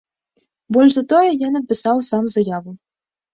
Больш за тое, я напісаў сам заяву.